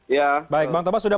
ya baik bang toba sudah